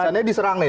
misalnya diserang nih